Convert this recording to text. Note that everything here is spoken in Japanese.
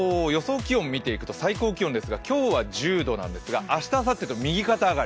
気温を見ていくと最高気温ですが、今日は１０度なんですが、明日、あさってと右肩上がり。